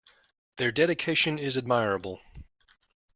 Their dedication is admirable.